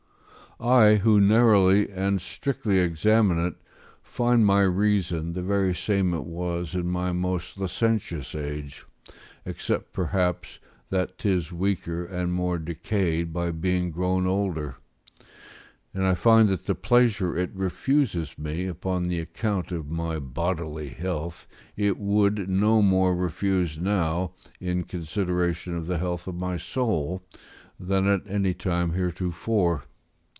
] I, who narrowly and strictly examine it, find my reason the very same it was in my most licentious age, except, perhaps, that 'tis weaker and more decayed by being grown older; and I find that the pleasure it refuses me upon the account of my bodily health, it would no more refuse now, in consideration of the health of my soul, than at any time heretofore.